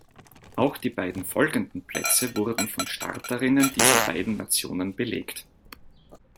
Auch die beiden folgenden Plätze wurden von Starterinnen dieser beiden Nationen belegt.